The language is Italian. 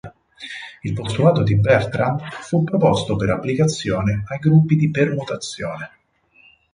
Il postulato di Bertrand fu proposto per applicazioni ai gruppi di permutazione.